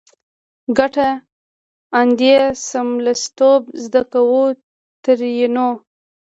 کټه اندي څملستوب زده کو؛ ترينو